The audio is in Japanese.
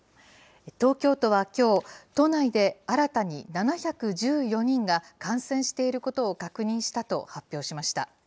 東京都はきょう、都内で新たに７１４人が感染していることを確認したと発表しました。